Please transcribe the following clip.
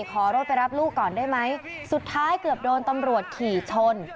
ขอรถไปรับลูกก่อนได้ไหมสุดท้ายเกือบโดนตำรวจขี่ชน